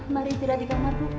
mari tidur lagi di kamar bu